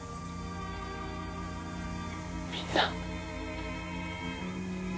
みんな。